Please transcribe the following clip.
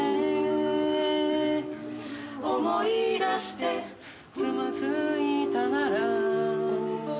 「思い出してつまずいたなら」